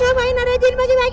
ya ampun ada jin bagi bagi